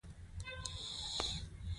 زرخم خو لېرې دی ګلداد ماما.